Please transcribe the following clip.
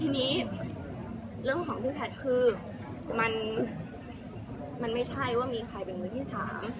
ทีนี้เรื่องของพี่แพทย์คือมันมันไม่ใช่ว่ามีใครเป็นมือที่สาม